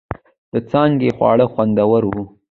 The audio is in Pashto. د څانگې خواړه خوندور و.